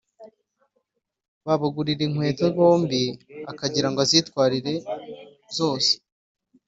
babagurira inkweto bombi akagira ngo azitwarire zose.